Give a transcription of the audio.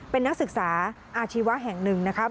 เป็นนักศึกษาอาชีวะแห่งหนึ่งนะคะ